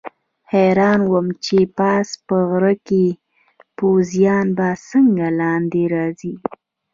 حیران وم چې پاس په غره کې پوځیان به څنګه لاندې راځي.